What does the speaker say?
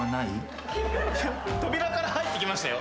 扉から入ってきましたよ。